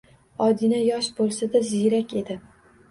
Odina yosh bo`lsa-da, ziyrak edi